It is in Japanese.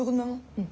うん。